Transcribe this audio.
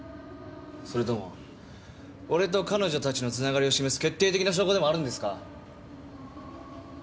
それとも俺と彼女たちのつながりを示す決定的な証拠でもあるんですか？